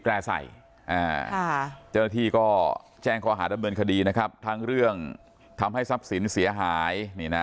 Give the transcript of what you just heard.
เจ้าหน้าที่ก็แจ้งข้อหาดำเนินคดีนะครับทั้งเรื่องทำให้ทรัพย์สินเสียหาย